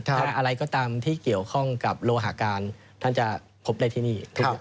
อะไรก็ตามที่เกี่ยวข้องกับโลหาการท่านจะพบได้ที่นี่